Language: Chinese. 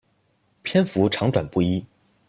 篇幅长短不一。